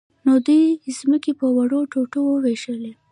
نو دوی ځمکې په وړو ټوټو وویشلې.